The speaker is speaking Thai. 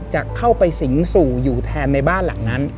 จะเข้าไปสิงสู่อยู่แทนในบ้านหลังนั้น